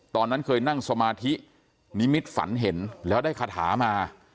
ตอนนั้นเคยนั่งสมาธินิมิตฝันเห็นแล้วได้คาถามา